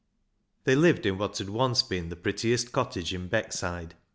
They lived in what had once been the prettiest cottage in Beckside.